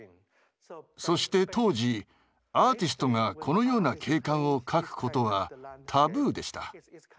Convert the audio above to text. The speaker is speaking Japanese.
そして当時アーティストがこのような景観を描くことはタブーでした。